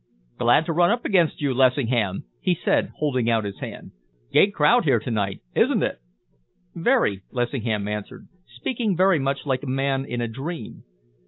"Glad to run up against you, Lessingham," he said, holding out his hand. "Gay crowd here tonight, isn't it?" "Very," Lessingham answered, speaking very much like a man in a dream.